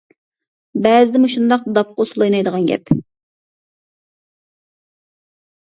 بەزىدە مۇشۇنداق داپقا ئۇسۇل ئوينايدىغان گەپ.